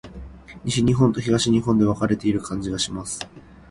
西日本と東日本で分かれている感じがします。